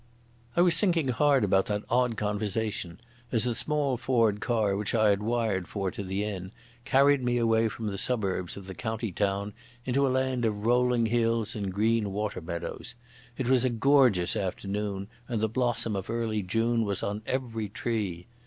I was thinking hard about that odd conversation as the small Ford car, which I had wired for to the inn, carried me away from the suburbs of the county town into a land of rolling hills and green water meadows. It was a gorgeous afternoon and the blossom of early June was on every tree.